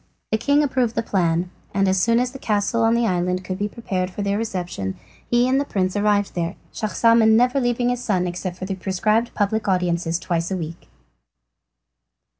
The king approved the plan, and as soon as the castle on the island could be prepared for their reception he and the prince arrived there, Schahzaman never leaving his son except for the prescribed public audiences twice a week.